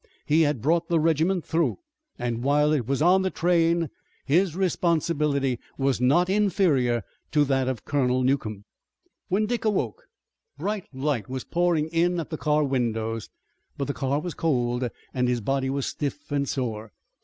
He had brought the regiment through, and while it was on the train his responsibility was not inferior to that of Colonel Newcomb. When Dick awoke, bright light was pouring in at the car windows, but the car was cold and his body was stiff and sore.